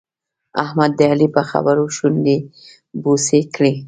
احمد د علي په خبرو شونډې بوڅې کړې.